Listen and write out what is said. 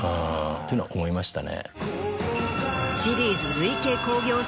というのは思いましたね。